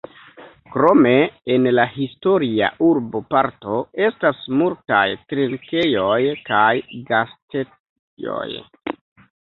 Krome en la historia urboparto estas multaj trinkejoj kaj gastejoj.